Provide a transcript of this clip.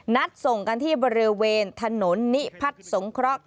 นัดส่งกันที่บริเวณถนนนิพัฒน์สงเคราะห